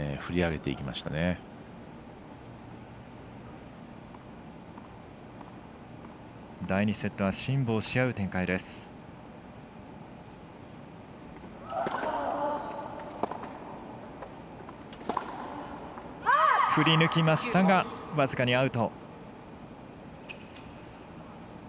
振り抜きましたが僅かにアウト。